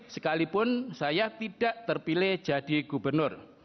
sekalipun saya tidak terpilih jadi gubernur